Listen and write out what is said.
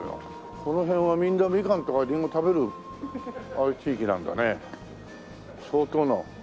この辺はみんなミカンとかリンゴ食べる地域なんだね相当の。